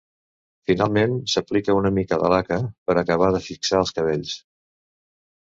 Finalment, s'aplica una mica de laca per a acabar de fixar els cabells.